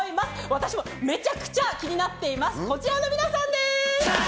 私もめちゃくちゃ気になっています、こちらの皆さんです。